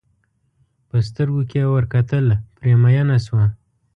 په سترګو کې یې ور کتل پرې مینه شوه.